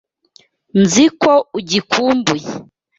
Nzi ko ugikumbuye.